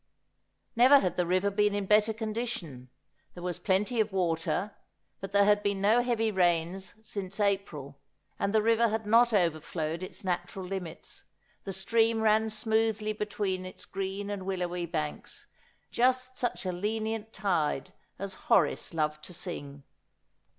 Never had the river been in better condition ; there was plenty of water, but there had been no heavy rains since April, and the river had not overflowed its natural limits ; the stream ran smoothly between its green and willowy banks, just such a lenient tide as Horace loved to sing.